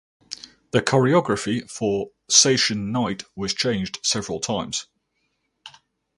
The choreography for "Seishun Night" was changed several times.